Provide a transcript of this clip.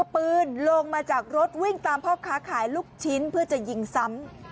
เอาปืนลงมาจากรถวิ่งตามพ่อค้าขายลูกชิ้นเพื่อจะยิงซ้ำ